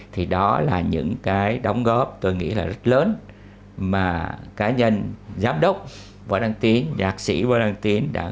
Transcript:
thì đó là những cái đóng góp tôi nghĩ là rất lớn mà cá nhân giám đốc võ đăng tín